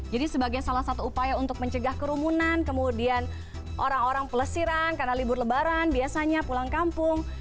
jadi sebagai salah satu upaya untuk mencegah kerumunan kemudian orang orang pelesiran karena libur lebaran biasanya pulang kampung